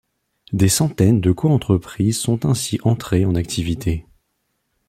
Des centaines de coentreprises sont ainsi entrées en activité.